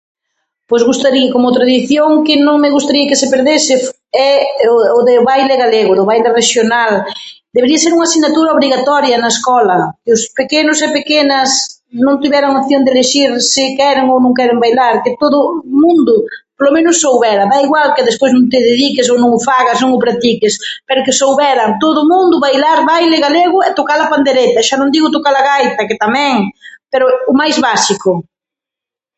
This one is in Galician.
Pois gustarí- como tradición que non me gustaría que se perdese é o o de o do baile galego, o do baile rexional. Debería ser unha asignatura obrigatoria na escola, que os pequenos e pequenas non tiveran unha opción de elexir se queren ou non queren bailar, que todo o mundo, polo menos soubera, da igual que despois non te dediques ou non o fagas ou non o practiques, pero que souberan todo o mundo bailar baile galego e tocala pandereta, xa non digo tocala gaita, que tamén, pero o máis básico.